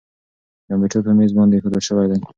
کمپیوټر په مېز باندې اېښودل شوی دی.